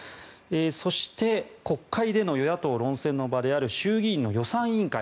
そして国会での与野党論戦の場である衆議院の予算委員会